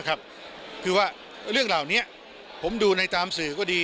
นะครับว่าจะเป็นอย่างไร